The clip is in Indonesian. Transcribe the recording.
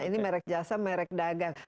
ini merek jasa merek dagang